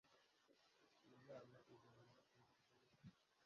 Iyi nama izamara iminsi ine